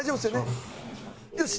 よし！